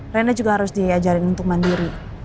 renda juga harus diajarin untuk mandiri